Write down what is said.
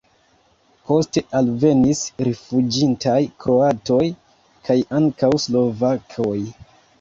Poste alvenis rifuĝintaj kroatoj kaj ankaŭ slovakoj.